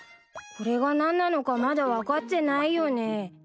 これが何なのかまだ分かってないよね。